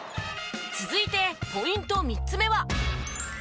続いてポイント３つ目は。